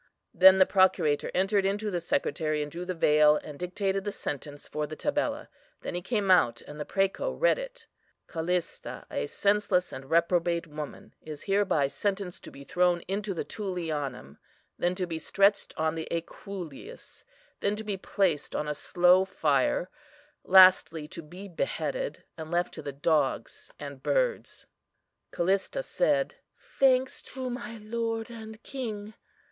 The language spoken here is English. "Then the procurator entered into the Secretary, and drew the veil; and dictated the sentence for the tabella. Then he came out, and the præco read it:—Callista, a senseless and reprobate woman, is hereby sentenced to be thrown into the Tullianum; then to be stretched on the equuleus; then to be placed on a slow fire; lastly, to be beheaded, and left to the dogs and birds. "CALLISTA said: Thanks to my Lord and King."